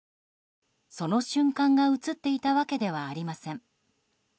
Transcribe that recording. その瞬間が映っていたわけではありません。